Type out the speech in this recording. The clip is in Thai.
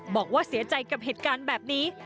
บอกว่าเสียใจกับเหตุการณ์แบบนี้